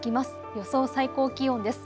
予想最高気温です。